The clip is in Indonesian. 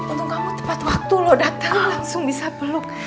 untung kamu tepat waktu loh dateng langsung bisa peluk